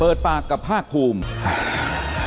เปิดปากกับภาคภูมิ